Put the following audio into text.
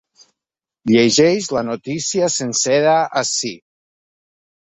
Llegeix la notícia sencera ací.